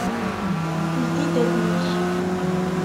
Ldi-d allen-ik.